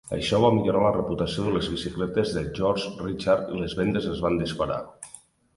Això va millorar la reputació de les bicicletes de Georges-Richard i les vendes es van disparar.